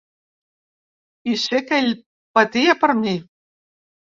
I sé que ell patia per mi.